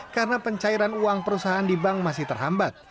karena pencairan uang perusahaan di bank masih terhambat